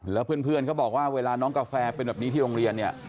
แล้วเพื่อนเขาบอกว่าเวลาน้องกาแฟเป็นแบบนี้ที่โรงเรียนเนี่ย